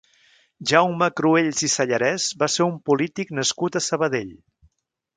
Jaume Cruells i Sallarès va ser un polític nascut a Sabadell.